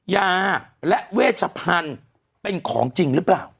ยาและเวชพันธุ์เป็นของจริงหรือเปล่า